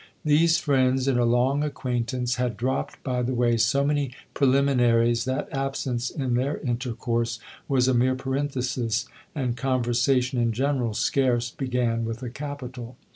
These friends, in a long acquaintance, had dropped by the way so many preliminaries that absence, in their intercourse, was a mere parenthesis and conversation in general scarce began with a capital.